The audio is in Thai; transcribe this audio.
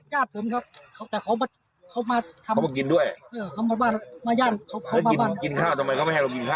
อยากให้เราหลีครับ